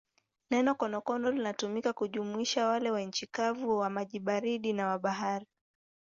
Neno konokono linatumika kujumuisha wale wa nchi kavu, wa maji baridi na wa bahari.